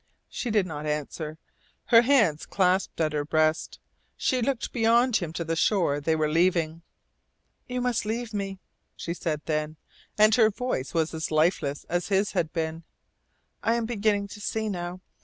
She did not answer. Her hands clasped at her breast. She looked beyond him to the shore they were leaving. "You must leave me," she said then, and her voice was as lifeless as his had been. "I am beginning to see now.